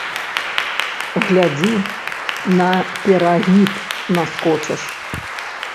Глядзі, на перагіб наскочыш.